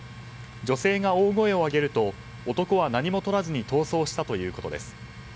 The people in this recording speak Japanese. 女性が大声を上げると男は何も取らずに逃走したということです。